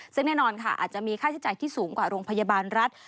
ซึ่งแน่นอนค่ะอาจจะมีค่าใช้จ่ายที่สูงกว่าโรงพยาบาลรัฐ